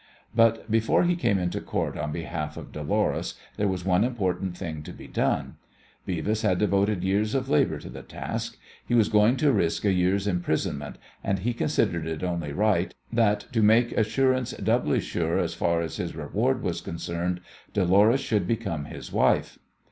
But before he came into Court on behalf of Dolores there was one important thing to be done. Beavis had devoted years of labour to the task. He was going to risk a year's imprisonment, and he considered it only right that, to make assurance doubly sure as far as his reward was concerned, Dolores should become his wife.